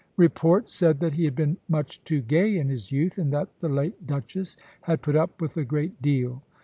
Report said that he had been much too gay in his youth, and that the late Duchess had put up with a great deal.